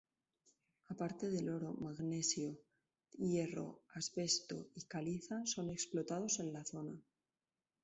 Aparte del oro, manganeso, hierro, asbesto y caliza son explotados en la zona.